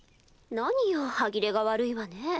何よ歯切れが悪いわね。